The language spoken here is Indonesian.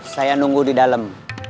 saya nunggu di dalam